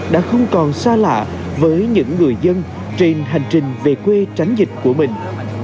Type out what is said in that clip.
đã không còn xa lạ với những người dân trên hành trình về quê tránh dịch của mình